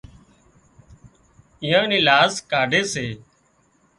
اويئان نِِي لاز ڪاڍي سي